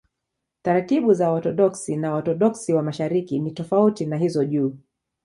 Taratibu za Waorthodoksi na Waorthodoksi wa Mashariki ni tofauti na hizo juu.